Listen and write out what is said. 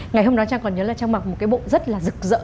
ngày hôm đó trang còn nhớ là trang mặc một cái bộ rất là rực rỡ